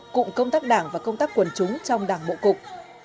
cụm công tác đảng và công tác quần chúng trong đảng bộ cục